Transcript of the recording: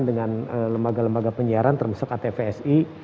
dengan lembaga lembaga penyiaran termasuk atvsi